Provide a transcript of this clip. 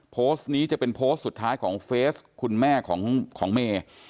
โพสต์นี้จะเป็นโพสต์สุดท้ายของเฟสคุณแม่ของเมย์